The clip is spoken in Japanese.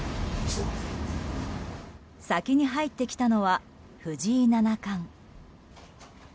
先に入ってきたのは藤井七冠。